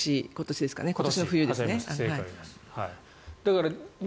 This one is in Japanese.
今年の冬ですかね。